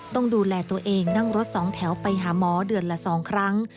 ต้องดูแลตัวเองนั่งรถสองแถวไปหาหมอเดือนละ๒ครั้ง